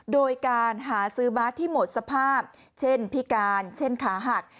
โดยการหาซื้อบาสที่หมดสภาพเช่นพิการเช่นขาหัก